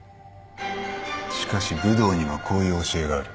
しかし武道にはこういう教えがある。